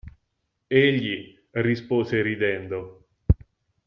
Egli rispose ridendo.